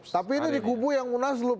tapi ini di kubu yang munaslup